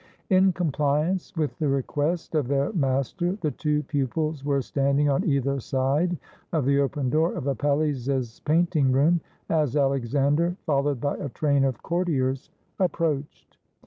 In compliance with the request of their master, the two pupils were standing on either side of the open door of Apelles's painting room, as Alexander, followed by a train of courtiers, approached.